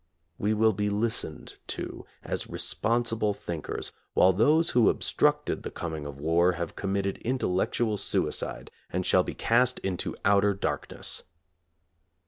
We will be listened to as responsible think ers, while those who obstructed the coming of war have committed intellectual suicide and shall be cast into outer darkness.